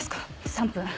３分。